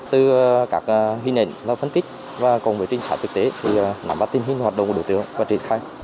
từ các huy nền và phân tích và cùng với trinh sát thực tế thì nắm bắt tình hình hoạt động của đội tướng và triển khai